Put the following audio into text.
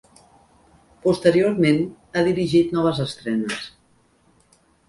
Posteriorment ha dirigit noves estrenes.